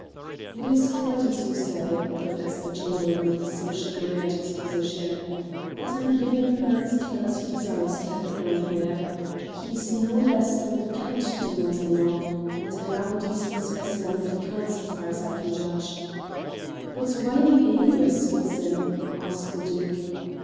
"It is quite as you say," confessed the Chamberlain with some chagrin at his position, "but I'm giving the man's tale as he desires to have it known here. He's no less than the Count de Montaiglon, and a rather decent specimen of the kind, so far as I can judge." "But why the alias, good Sim?" asked the Duke.